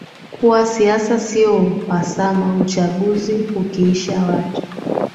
kuwa siasa siyo uhasama Uchaguzi ukiisha watu